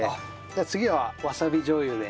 じゃあ次はわさびじょう油で。